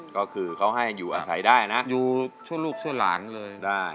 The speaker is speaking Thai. ก็คือเขาให้อยู่อาศัยได้นะอยู่ชั่วลูกชั่วหลานเลยได้